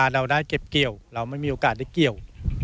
เราไม่มีโอกาสได้เกี่ยว